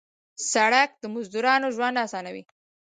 سړک د مزدورانو ژوند اسانوي.